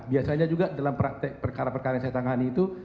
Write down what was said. biasanya juga dalam praktek perkara perkara yang saya tangani itu